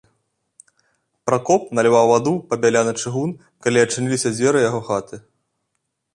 Пракоп наліваў ваду ў пабяляны чыгун, калі адчыніліся дзверы яго хаты.